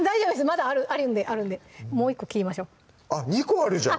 まだあるんでもう１個切りましょうあっ２個あるじゃん！